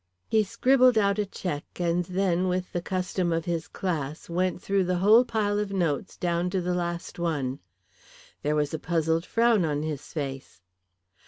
He scribbled out a cheque, and then, with the custom of his class, went through the whole pile of notes down to the last one. There was a puzzled frown on his face.